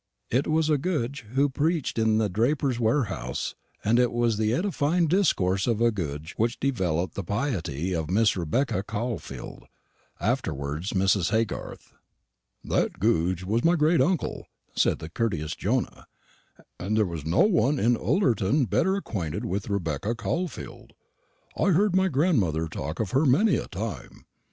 It was a Goodge who preached in the draper's warehouse, and it was the edifying discourse of a Goodge which developed the piety of Miss Rebecca Caulfield, afterwards Mrs. Haygarth. "That Goodge was my great uncle," said the courteous Jonah, "and there was no one in Ullerton better acquainted with Rebecca Caulfield. I've heard my grandmother talk of her many a time.